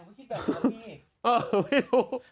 เออไม่รู้